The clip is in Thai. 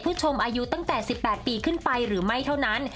ชมอายุตั้งแต่๑๘ปีขึ้นไปหรือไม่เท่านั้น